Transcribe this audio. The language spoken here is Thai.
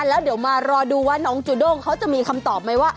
แล้วเดี๋ยวมารอดูว่าน้องจูด้งเขาจะมีคำตอบไหมว่า